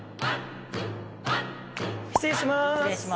失礼しまーす！